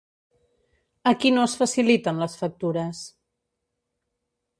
A qui no es faciliten les factures?